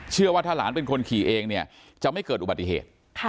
ว่าถ้าหลานเป็นคนขี่เองเนี่ยจะไม่เกิดอุบัติเหตุ